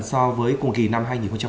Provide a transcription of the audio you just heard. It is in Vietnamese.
so với cùng kỳ năm hai nghìn một mươi tám